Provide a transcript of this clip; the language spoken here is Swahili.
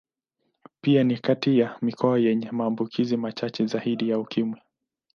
Pia ni kati ya mikoa yenye maambukizi machache zaidi ya Ukimwi.